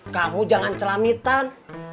kamu jangan celamitan